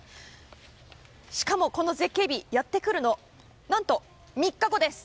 しかもこの絶景日やってくるのが何と３日後です。